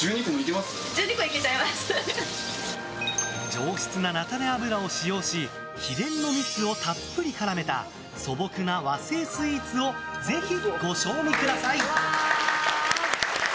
上質な菜種油を使用し秘伝の蜜をたっぷり絡めた素朴な和製スイーツをぜひご賞味ください！